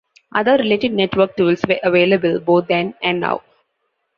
Other related network tools were available both then and now.